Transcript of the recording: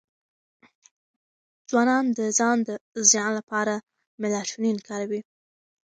ځوانان د ځان د زیان لپاره میلاټونین کاروي.